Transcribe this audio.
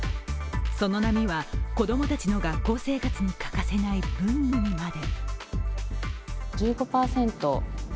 その波は、子供たちの学校生活に欠かせない文具にまで。